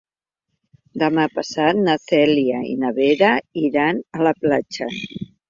Demà passat na Cèlia i na Vera iran a la platja.